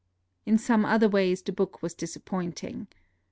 In some other ways the book was disap pointing.